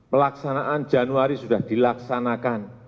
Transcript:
pelaksanaan januari sudah dilaksanakan